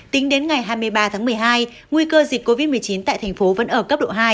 tính đến ngày hai mươi ba tháng một mươi hai nguy cơ dịch covid một mươi chín tại thành phố vẫn ở cấp độ hai